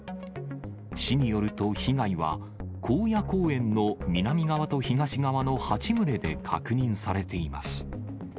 市によると、被害は興野公園の南側と東側の８棟で確認されています。